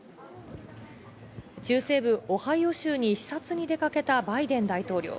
中西部オハイオ州に視察に出かけたバイデン大統領。